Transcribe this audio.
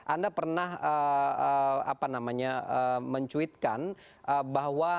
anda pernah mencuitkan bahwa